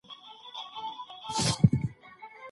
"عرب" معرفي کړي دي. حال دا چي ژبپوهنيزي او